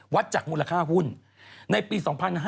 วัดจากมูลค่าหุ้นในปี๒๕๖๑